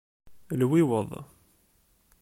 Lwiweḍ.